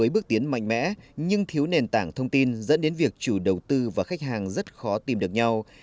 bước tiến mạnh mẽ nhưng thiếu nền tảng thông tin dẫn đến việc chủ đầu tư và khách hàng rất khó tìm được nhau